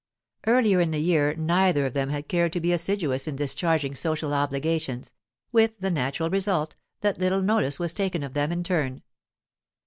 Earlier in the year neither of them had cared to be assiduous in discharging social obligations, with the natural result that little notice was taken of them in turn.